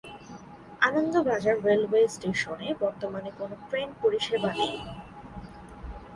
Anandabazar railway স্টেশনে বর্তমানে কোন ট্রেন পরিষেবা নেই।